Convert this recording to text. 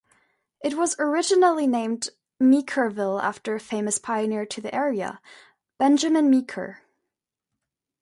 It was originally named Meekerville after a famous pioneer to the area, Benjamin Meeker.